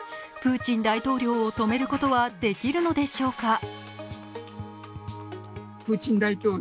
プーチン大統領をとめることはできるのでしょうか。